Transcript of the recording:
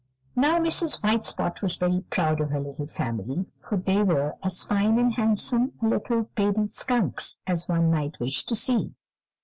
Now Mrs. White Spot was very proud of her little family, for they were as fine and handsome a litter of baby skunks as one might wish to see.